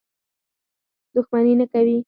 دښمني نه کوي.